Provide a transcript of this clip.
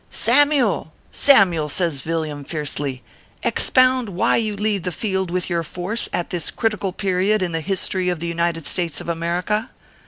"Samyule, Samyule," says Villiam, fiercely, "ex pound why you leave the field with your force, at this critical period in the history of the United States of America